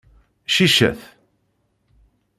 Ciccet.